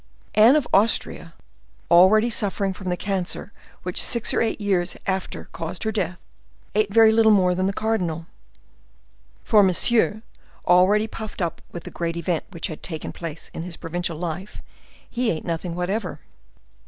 Anne of Austria, already suffering from the cancer which six or eight years after caused her death, ate very little more than the cardinal. For Monsieur, already puffed up with the great event which had taken place in his provincial life, he ate nothing whatever.